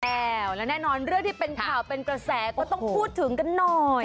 แล้วและแน่นอนเรื่องที่เป็นข่าวเป็นกระแสก็ต้องพูดถึงกันหน่อย